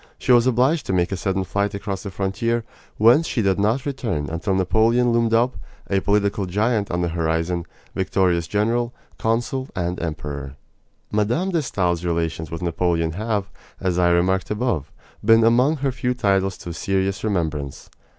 She was obliged to make a sudden flight across the frontier, whence she did not return until Napoleon loomed up, a political giant on the horizon victorious general, consul, and emperor. Mme. de Stael's relations with Napoleon have, as I remarked above, been among her few titles to serious remembrance.